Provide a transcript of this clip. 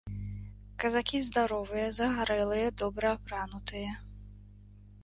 Казакі здаровыя, загарэлыя, добра апранутыя.